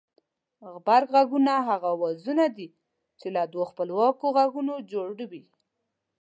غبرگ غږونه هغه اوازونه دي چې له دوو خپلواکو غږونو جوړ وي